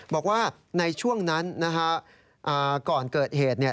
บอกว่าในช่วงนั้นนะฮะก่อนเกิดเหตุเนี่ย